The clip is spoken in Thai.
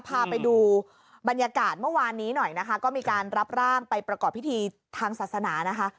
พาไปดูบรรยากาศเมื่อวานนี้หน่อยนะคะก็มีการรับร่างไปประกอบพิธีทางศาสนานะคะ